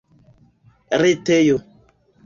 retejo